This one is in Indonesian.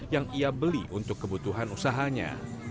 yang ia beli untuk kebutuhan usahanya